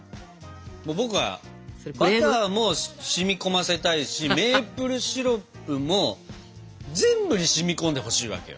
僕はバターも染み込ませたいしメープルシロップも全部に染み込んでほしいわけよ。